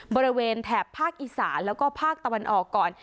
แถบภาคอีสานแล้วก็ภาคตะวันออกก่อน